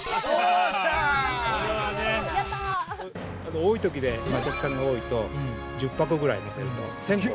◆多いときで、お客さんが多いと１０箱ぐらい載せると１０００個。